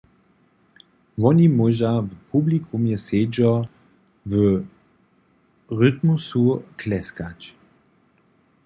Woni móža w publikumje sedźo w rytmusu kleskać.